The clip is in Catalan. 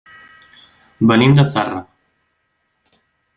Venim de Zarra.